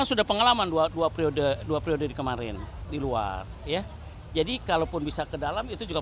sudah pengalaman dua periode dua periode di kemarin di luar ya jadi kalaupun bisa ke dalam itu juga